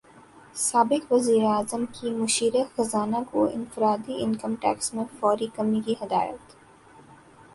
سابق وزیراعظم کی مشیر خزانہ کو انفرادی انکم ٹیکس میں فوری کمی کی ہدایت